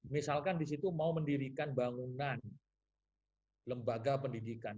misalkan di situ mau mendirikan bangunan di lembaga pendidikan